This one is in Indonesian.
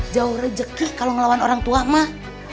jauh rejekih kalau ngelawan orang tua mah